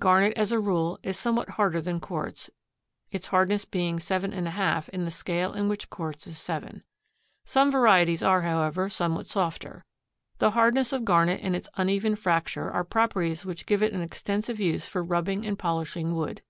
Garnet, as a rule, is somewhat harder than quartz, its hardness being 7½ in the scale of which quartz is 7. Some varieties are, however, somewhat softer. The hardness of garnet and its uneven fracture are properties which give it an extensive use for rubbing and polishing wood.